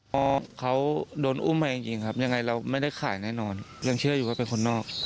เพราะเขาโดนอุ้มมาจริงครับยังไงเราไม่ได้ขายแน่นอนยังเชื่ออยู่ว่าเป็นคนนอก